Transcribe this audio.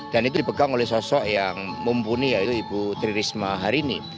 dan itu dipegang oleh sosok yang mumpuni yaitu ibu tririsma harini